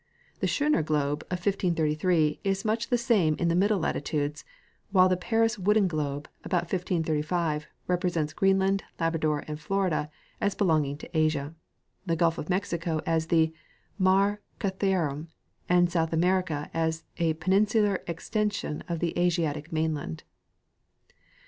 The Schoner globe of 1533 is much the same in the middle latitudes, Avhile the Paris wooden globe, about 1535, rep resents Greenland, Labrador and Florida as belonging to Asia, the gulf of Mexico as the " M[are] Cathairum," and South Amer ica as a peninsular extension of the Asiatic mainland.